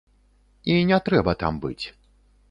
І не трэба там быць.